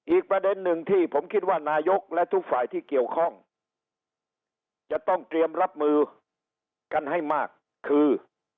อีกประเด็นหนึ่งที่ผมคิดว่านายกและทุกฝ่ายที่เกี่ยวข้องจะต้องเตรียมรับมือกันให้มากคือ